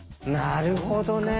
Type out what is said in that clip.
なるほどね。